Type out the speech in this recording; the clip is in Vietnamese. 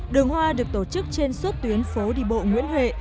đường hoa được tổ chức trên suốt tuyến phố đi bộ nguyễn huệ